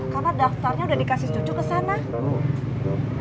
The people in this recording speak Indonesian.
karena daftarnya udah dikasih cucu ke sana